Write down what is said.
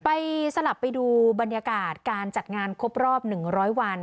สลับไปดูบรรยากาศการจัดงานครบรอบ๑๐๐วัน